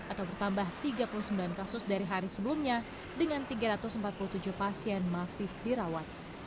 atau bertambah tiga puluh sembilan kasus dari hari sebelumnya dengan tiga ratus empat puluh tujuh pasien masih dirawat